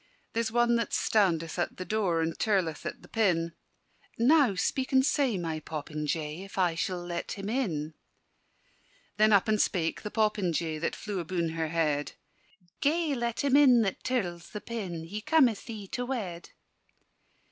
"There's one that standeth at the door, And tirleth at the pin: Now speak and say, my popinjay, If I sall let him in." Then up and spake the popinjay That flew abune her head: "Gae let him in that tirls the pin: He cometh thee to wed."